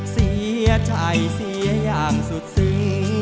เสียใจเสียอย่างสุดซี